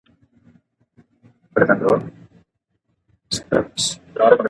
شيخ امین الله د اهل الحديثو يو ډير لوی او مشهور عالم دی